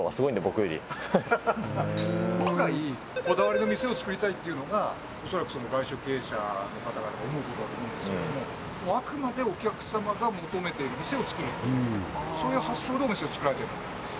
本来こだわりの店を作りたいっていうのがおそらく外食経営者の方が思うことだと思うんですけどもあくまでそういう発想でお店を作られてるんだと思います